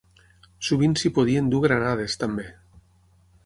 Sovint s'hi podien dur granades, també.